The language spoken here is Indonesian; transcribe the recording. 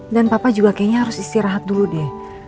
dan papa juga kayaknya harus istirahat dulu deh